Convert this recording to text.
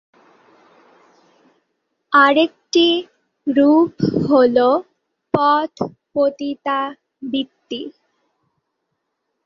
আরেকটি রূপ হ'ল পথ পতিতাবৃত্তি।